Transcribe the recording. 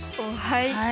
はい。